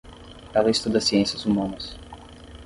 Ela estuda Ciências Humanas.